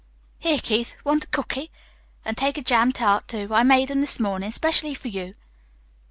Here, Keith, want a cooky? An' take a jam tart, too. I made 'em this mornin', 'specially for you."